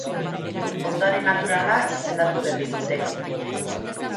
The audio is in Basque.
Ondare naturala izendatu berri dute.